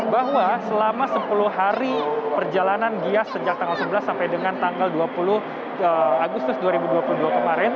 bahwa selama sepuluh hari perjalanan gias sejak tanggal sebelas sampai dengan tanggal dua puluh agustus dua ribu dua puluh dua kemarin